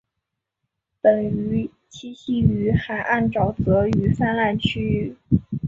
本鱼栖息于海岸沼泽与泛滥区域。